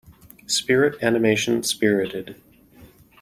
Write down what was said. Spirit animation Spirited.